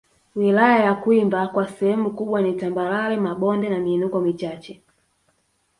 Wilaya ya Kwimba kwa sehemu kubwa ni tambarare mabonde na miinuko michache